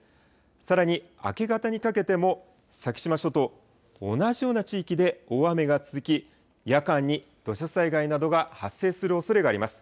さらに明け方にかけても、先島諸島、同じような地域で大雨が続き、夜間に土砂災害などが発生するおそれがあります。